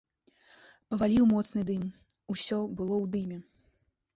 Паваліў моцны дым, усё было ў дыме.